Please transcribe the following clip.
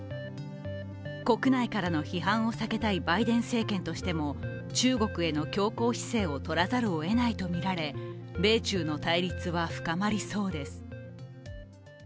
国内からの批判を避けたいバイデン政権としても中国への強硬姿勢をとらざるをえないとみられ米中の対立は深まりそうです。